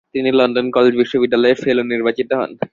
তিনি লন্ডন কলেজ-বিশ্ববিদ্যালয়ের ফেলো নির্বাচিত হন।